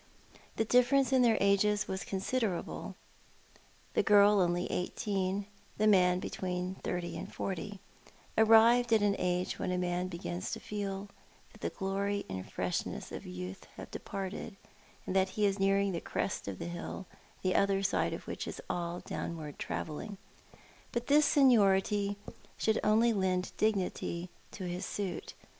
The difference in their ages was considerable — the girl only eighteen — the man between thirty and forty, arrived at an age when a man begins to feel that the glory and the freshness of youth have departed, and that he is nearing the crest of the hill, the other side of which is all downward travelling. But this seniority should only lend dignity to his suit.